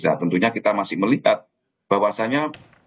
nah tentunya kita masih melihat bahwasannya